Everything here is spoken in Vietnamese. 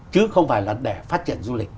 chứ không phải là để phát triển du lịch